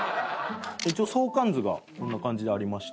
一応相関図がこんな感じでありまして。